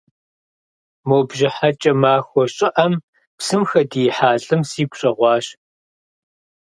Мо бжьыхьэкӏэ махуэ щӏыӏэм псым хэдиихьа лӏым сигу щӏэгъуащ.